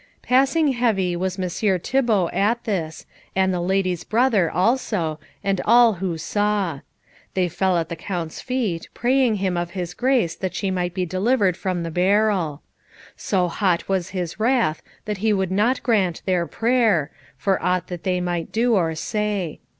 Passing heavy was Messire Thibault at this, and the lady's brother also, and all who saw. They fell at the Count's feet, praying him of his grace that she might be delivered from the barrel. So hot was his wrath that he would not grant their prayer, for aught that they might do or say.